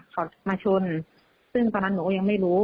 เขามาชนซึ่งตอนนั้นหนูก็ยังไม่รู้